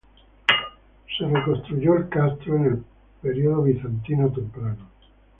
En el período bizantino temprano el castro fue reconstruido.